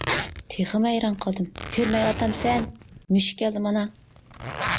تېخىمۇ ھەيران قالدىم:-كۆرمەيۋاتامسەن؟ مۈشۈك كەلدى مانا!